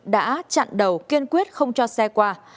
đã chặn đầu kiên quyết không cho xe qua